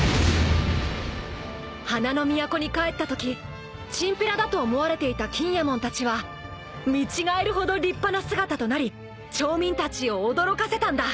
［花の都に帰ったときチンピラだと思われていた錦えもんたちは見違えるほど立派な姿となり町民たちを驚かせたんだ］